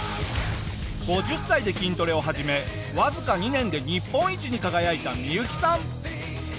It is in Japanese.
５０歳で筋トレを始めわずか２年で日本一に輝いたミユキさん。